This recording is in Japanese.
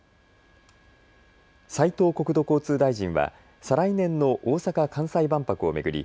斉藤国土交通大臣は再来年の大阪・関西万博を巡り